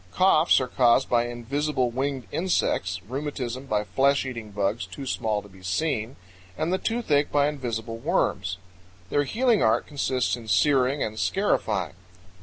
Coughs are caused by invisible winged insects, rheumatism by flesh eating bugs too small to be seen, and the toothache by invisible worms. Their healing art consists in searing and scarifying.